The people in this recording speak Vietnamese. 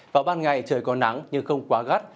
vào ban ngày trời có nắng nhưng không quá gắt